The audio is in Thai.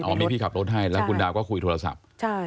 เออมีพี่ขับรถให้แล้วก็คุยโทรศัพท์